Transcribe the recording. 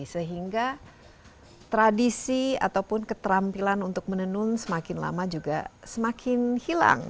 sehingga tradisi ataupun keterampilan untuk menenun semakin lama juga semakin hilang